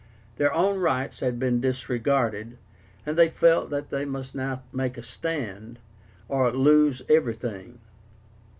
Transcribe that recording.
Their own rights had been disregarded, and they felt that they must now make a stand or lose everything.